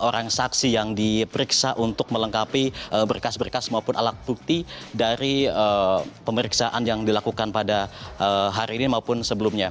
orang saksi yang diperiksa untuk melengkapi berkas berkas maupun alat bukti dari pemeriksaan yang dilakukan pada hari ini maupun sebelumnya